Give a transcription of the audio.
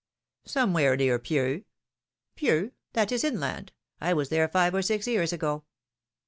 ^ Somewhere near Pieux.' ^^^Pieux? that is inland; I was there five or six years ago.